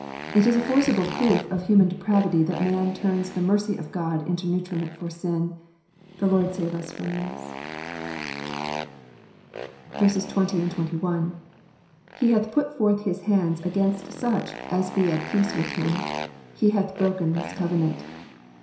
It is a forcible proof of human depravity that man turns the mercy of God into nutriment for sin : the Lord save us from this. 20 He hath put forth his hands against such as be at peace with him : he hath broken his covenant.